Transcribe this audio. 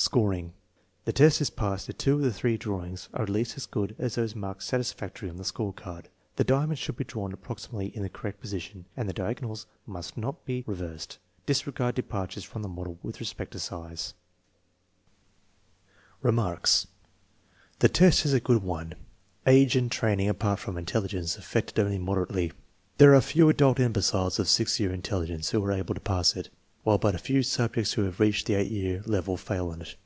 Scoring. The test is passed if two of the three drawings are at least as good as those marked satisfactory on the score card. The diamond should be drawn approximately in the correct position, and the diagonals must not be re versed. Disregard departures from the model with respect to size. TEST NO. VE, ALTERNATIVE 1 205 Remarks. The test is a good one. Age and training, apart from intelligence, affect it only moderately. There are few adult imbeciles of 6 year intelligence who are able to pass it, while but few subjects who have reached the 8 year level fail on it.